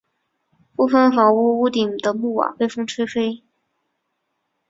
部分房屋屋顶的木瓦被风吹飞。